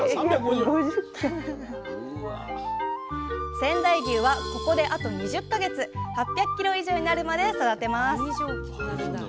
仙台牛はここであと２０か月８００ｋｇ以上になるまで育てます。